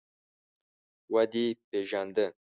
_ودې پېژانده؟